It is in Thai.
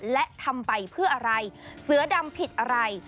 และทำไปเพื่ออะไรเสือดำผิดอะไร